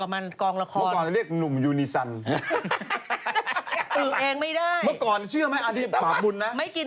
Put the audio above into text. เป็นดิ